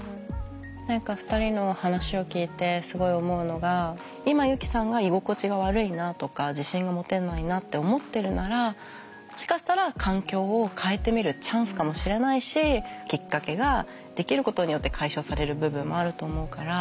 何か２人の話を聞いてすごい思うのが今ユキさんが居心地が悪いなとか自信が持てないなって思ってるならもしかしたら環境を変えてみるチャンスかもしれないしきっかけができることによって解消される部分もあると思うから。